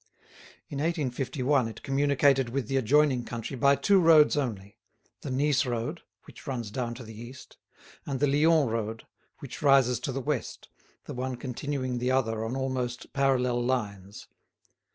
In 1851 it communicated with the adjoining country by two roads only, the Nice road, which runs down to the east, and the Lyons road, which rises to the west, the one continuing the other on almost parallel lines.